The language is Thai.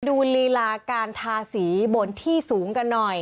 ลีลาการทาสีบนที่สูงกันหน่อย